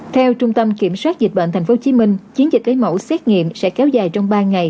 theo trung tâm kiểm soát dịch bệnh tp hcm chiến dịch lấy mẫu xét nghiệm sẽ kéo dài trong ba ngày